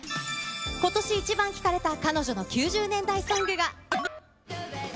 今年イチバン聴かれた彼女の９０年代ソングが。